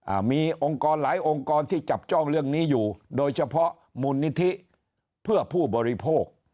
อ่ามีองค์กรหลายองค์กรที่จับจ้องเรื่องนี้อยู่โดยเฉพาะมูลนิธิเพื่อผู้บริโภค